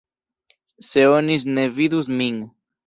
Se oni ne vidus min.